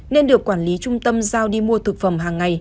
nên được quản lý trung tâm giao đi mua thực phẩm hàng ngày